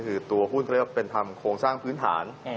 คือตัวหุ้นเขาเรียกว่าเป็นทำโครงสร้างพื้นฐาน